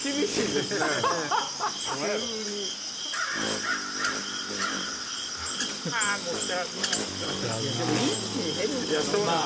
でも一気に減るって。